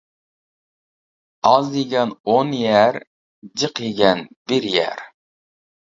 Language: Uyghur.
ئاز يېگەن ئون يەر، جىق يېگەن بىر يەر.